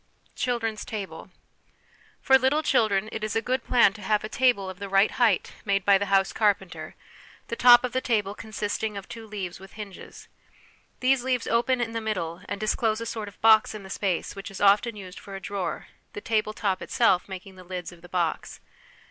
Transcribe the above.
Children's Table. For little children it is a good plan to have a table of the right height made by the house carpenter, the top of the table consisting of two leaves with hinges. These leaves open in the middle, and disclose a sort of box in the space which is often used for a drawer, the table top itself making the lids of the box.